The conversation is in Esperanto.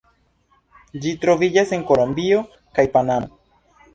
Ĝi troviĝas en Kolombio kaj Panamo.